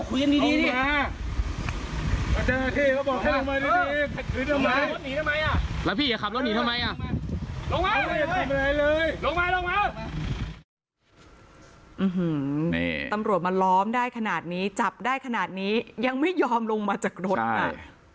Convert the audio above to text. นี่ตำรวจมาล้อมได้ขนาดนี้จับได้ขนาดนี้ยังไม่ยอมลงมาจากรถค่ะ